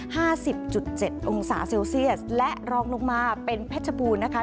ห้าสิบจุดเจ็ดองศาเซลเซียสและรองลงมาเป็นเพชรบูรณ์นะคะ